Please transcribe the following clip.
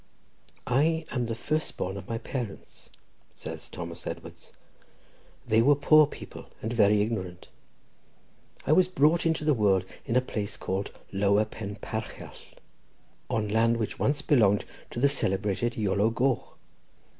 "I am the first born of my parents,"—says Thomas Edwards. "They were poor people, and very ignorant. I was brought into the world in a place called Lower Pen Parchell, on land which once belonged to the celebrated Iolo Goch.